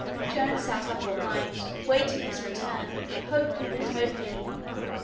Joan sat up all night waiting his return, hoping and hoping.